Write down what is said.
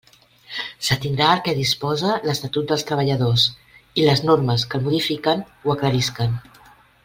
S'atindrà al que disposa l'Estatut dels Treballadors i les normes que el modifiquen o aclarisquen.